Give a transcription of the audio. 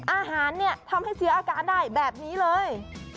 อาหารเนี่ยทำให้เสียอาการได้แบบนี้เลย